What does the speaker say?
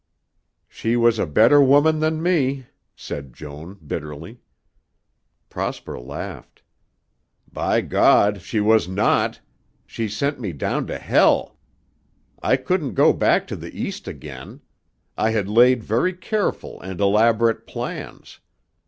"She was a better woman than me," said Joan bitterly. Prosper laughed. "By God, she was not! She sent me down to hell. I couldn't go back to the East again. I had laid very careful and elaborate plans.